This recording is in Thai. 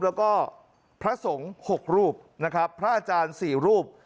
แล้วก็พระสงฆ์๖รูปนะครับพระอาจารย์๔รูป